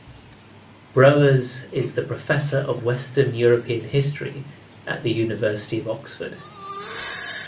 Broers is the Professor of Western European History at the University of Oxford.